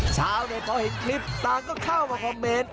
เช้าในพอเห็นคลิปต่างก็เข้ามาคอมเมน